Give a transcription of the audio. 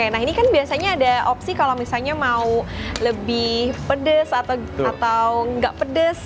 nah ini kan biasanya ada opsi kalau misalnya mau lebih pedes atau nggak pedes